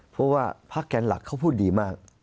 เพราะว่าพักแกนหลักเขาพูดดีมาก